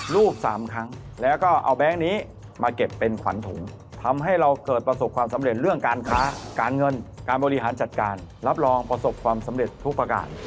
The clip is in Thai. รูป๓ครั้งแล้วก็เอาแบงค์นี้มาเก็บเป็นขวัญถุงทำให้เราเกิดประสบความสำเร็จเรื่องการค้าการเงินการบริหารจัดการรับรองประสบความสำเร็จทุกประการ